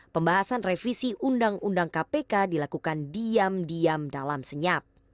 pembahasan revisi undang undang kpk dilakukan diam diam dalam senyap